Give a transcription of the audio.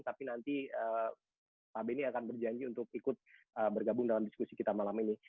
tapi nanti pak benny akan berjanji untuk ikut bergabung dalam diskusi kita malam ini